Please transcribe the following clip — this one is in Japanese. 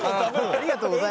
ありがとうございます。